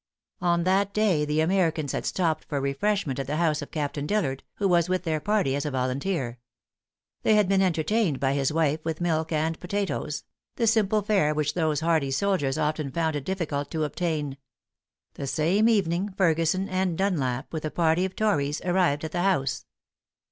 On that day the Americans had stopped for refreshment at the house of Captain Dillard, who was with their party as a volunteer. They had been entertained by his wife with milk and potatoes the simple fare which those hardy soldiers often found it difficult to obtain. The same evening Ferguson and Dunlap, with a party of tories, arrived at the house.